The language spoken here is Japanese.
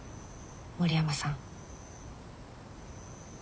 森山さん。